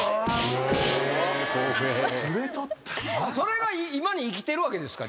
それが今に生きてるわけですか？